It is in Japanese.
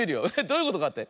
どういうことかって？